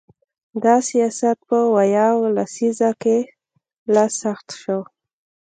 دا سیاست په ویاو لسیزه کې لا سخت شو.